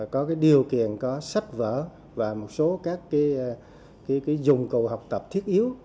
có điều kiện có sách vở và một số các dùng cụ học tập thiết yếu